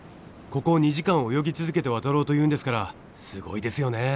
ここを２時間泳ぎ続けて渡ろうというんですからすごいですよね。